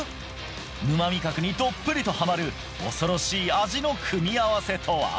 沼味覚にどっぷりとハマる恐ろしい味の組み合わせとは？